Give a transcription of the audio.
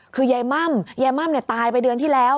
คือยายม่ำยายม่ำเนี่ยตายไปเดือนที่แล้ว